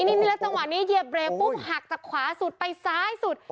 นี่แล้วจังหวะนี้เหยียบเบรกปุ๊บหักจากขวาสุดไปซ้ายสุด